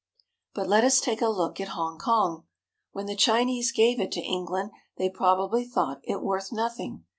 But let us take a look at Hongkong. When the Chinese gave it to England, they probably thought it worth nothing.